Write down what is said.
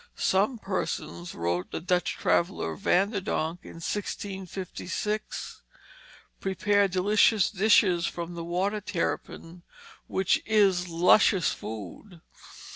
"Some persons," wrote the Dutch traveller, Van der Donck, in 1656, "prepare delicious dishes from the water terrapin, which is luscious food."